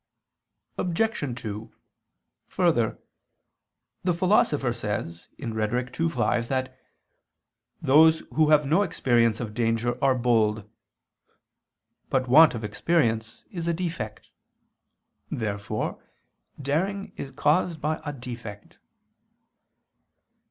Obj. 2: Further, the Philosopher says (Rhet. ii, 5) that "those who have no experience of danger are bold." But want of experience is a defect. Therefore daring is caused by a defect.